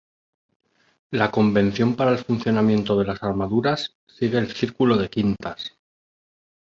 La convención para el funcionamiento de las armaduras sigue el círculo de quintas.